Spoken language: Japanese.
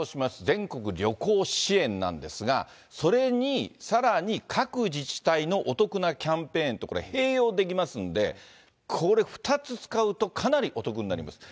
全国旅行支援なんですが、それにさらに各自治体のお得なキャンペーンと併用できますんで、これ、２つ使うと、かなりお得になります。